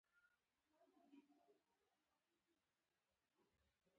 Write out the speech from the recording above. د یونسکو دندې بیان کړئ.